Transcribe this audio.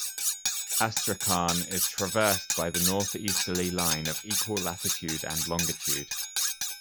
Astrakhan is traversed by the northeasterly line of equal latitude and longitude.